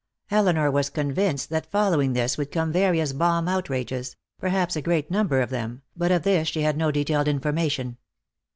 Elinor was convinced that following this would come various bomb outrages, perhaps a great number of them, but of this she had no detailed information.